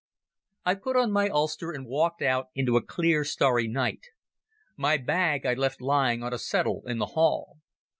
I put on my ulster and walked out into a clear starry night. My bag I left lying on a settle in the hall.